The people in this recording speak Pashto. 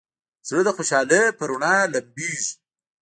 زړه د خوشحالۍ په رڼا لمبېږي.